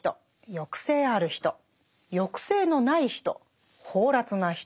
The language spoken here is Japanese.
抑制ある人抑制のない人放埓な人。